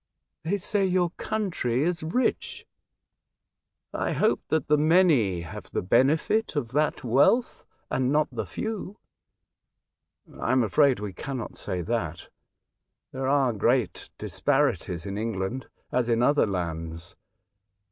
*' They say your country is rich. I hope that the many have 6 A Voyage to Other Worlds. the benefit of that wealth, and not the few/' "I am afraid we cannot say that. There are great disparities in England as in other lands.